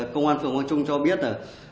công an phường quang trung cho biết là